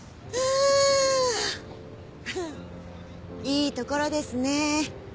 いいところですね。